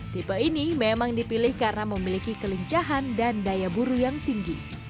tipe ini memang dipilih karena memiliki kelincahan dan daya buru yang tinggi